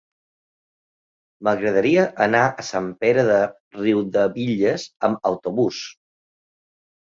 M'agradaria anar a Sant Pere de Riudebitlles amb autobús.